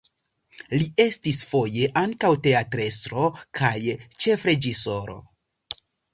Li estis foje ankaŭ teatrestro kaj ĉefreĝisoro.